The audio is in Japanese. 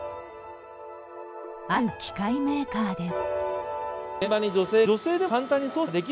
ある機械メーカーでは。